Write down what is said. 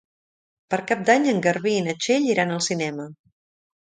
Per Cap d'Any en Garbí i na Txell iran al cinema.